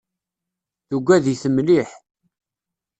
Tugad-it mliḥ.